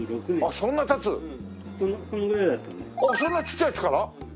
そんなちっちゃいやつから？